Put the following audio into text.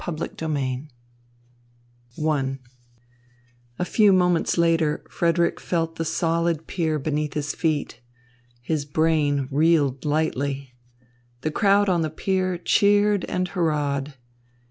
PART II I A few moments later Frederick felt the solid pier beneath his feet. His brain reeled lightly. The crowd on the pier cheered and hurrahed.